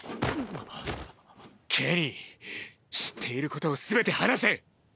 ケニー知っていることをすべて話せ！